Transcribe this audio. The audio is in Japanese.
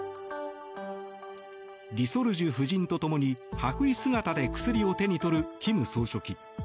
李雪主夫人とともに白衣姿で薬を手に取る金総書記。